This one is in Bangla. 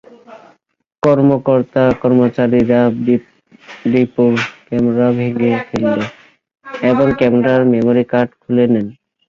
কর্মকর্তা-কর্মচারীরা রিপুর ক্যামেরা ভেঙে ফেলেন এবং ক্যামেরার মেমোরি কার্ড খুলে নেন।